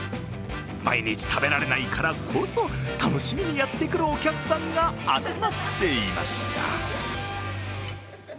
毎日食べられないからこそ、楽しみにやってくるお客さんが集まっていました。